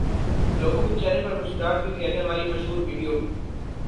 لوگوں کے چہروں پر مسکراہٹ بکھیرنے والی مشہور ویڈیو